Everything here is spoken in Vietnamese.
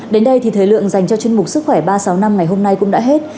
đến đây thì thời lượng dành cho chương mục sức khỏe ba trăm sáu mươi năm ngày hôm nay cũng đã hết